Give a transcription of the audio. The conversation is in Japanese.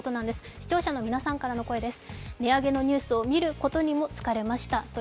視聴者の皆さんからの声です。